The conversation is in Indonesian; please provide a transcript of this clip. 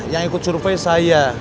yang ikut survei saya